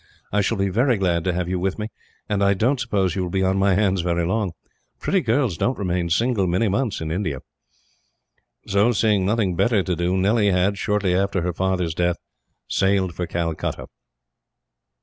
I shall be very glad to have you with me, and I don't suppose you will be on my hands very long; pretty girls don't remain single many months, in India." So, seeing nothing better to do, Nellie had, shortly after her father's death, sailed for Calcutta.